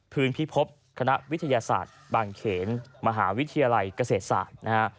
พิพบคณะวิทยาศาสตร์บางเขนมหาวิทยาลัยเกษตรศาสตร์นะฮะ